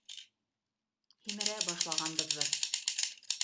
— Һимерә башлағанбыҙҙыр.